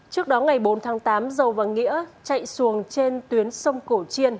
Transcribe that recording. trước đó ngày bốn tháng tám dầu và nghĩa chạy xuồng trên tuyến sông cổ chiên